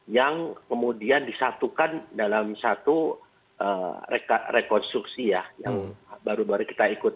yang kemudian disatukan dalam satu rekonstruksi ya yang baru baru kita ikuti